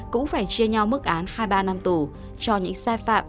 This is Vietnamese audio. cũng phải chia nhau mức án hai mươi ba năm tù cho những sai phạm